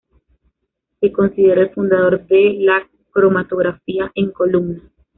Se considera el fundador de la cromatografía en columna.